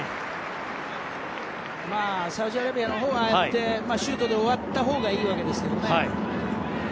サウジアラビアのほうはああやってシュートで終わったほうがいいわけですけどね。